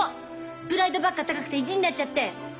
プライドばっか高くて意地になっちゃって。